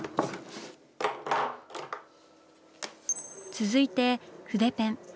続いて筆ペン。